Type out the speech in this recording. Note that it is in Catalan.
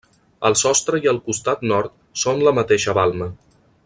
El sostre i el costat nord són la mateixa balma.